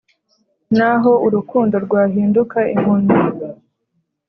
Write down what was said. naho urukundo rwahinduka impumyi